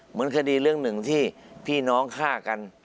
เหมือนคดีเรื่องหนึ่งที่พี่น้องฆ่ากัน